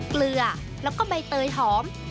เกลือแล้วก็ใบเตยหอม